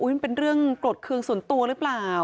มันเป็นเรื่องโกรธเครื่องส่วนตัวหรือเปล่า